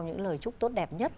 những lời chúc tốt đẹp nhất